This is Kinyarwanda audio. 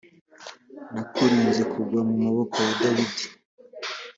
nakurinze kugwa mu maboko ya dawidi